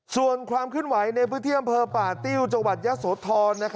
ส่วนความขึ้นไหวในพื้นที่อำเภอป่าติ้วจังหวัดยศโทษธรณ์